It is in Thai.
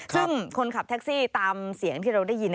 ซึ่งคนขับแท็กซี่ตามเสียงที่เราได้ยิน